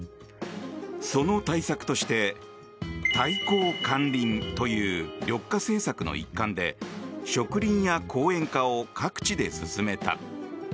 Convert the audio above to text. その対策として退耕還林という緑化政策の一環で植林や公園化を各地で進めた。